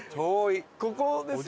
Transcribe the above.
ここですよね。